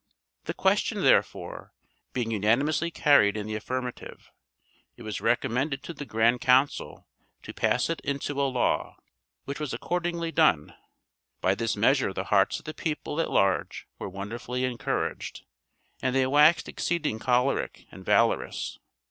The question, therefore, being unanimously carried in the affirmative, it was recommended to the grand council to pass it into a law; which was accordingly done. By this measure the hearts of the people at large were wonderfully encouraged, and they waxed exceeding choleric and valorous.